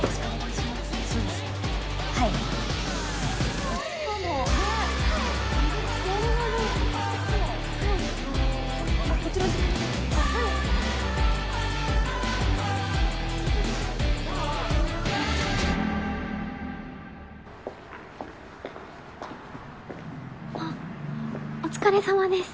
はいあっお疲れさまです